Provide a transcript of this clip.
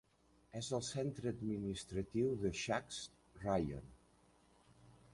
És el centre administratiu de Shatsk Raion.